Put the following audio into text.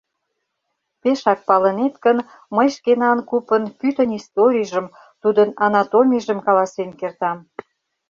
— Пешак палынет гын, мый шкенан купын пӱтынь историйжым, тудын анатомийжым каласен кертам.